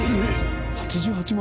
８８万？